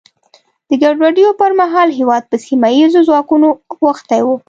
د ګډوډیو پر مهال هېواد په سیمه ییزو ځواکونو اوښتی و.